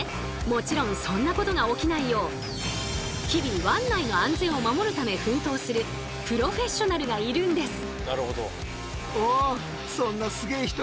もちろんそんなことが起きないよう日々湾内の安全を守るため奮闘するプロフェッショナルがいるんです。